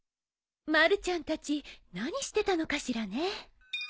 まるちゃんたち何してたのかしらね。